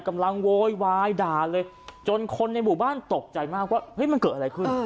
กำลังโว๊ยวายด่าเลยจนคนในบุคคลตกใจมากว่ามันเกิดอะไรขึ้น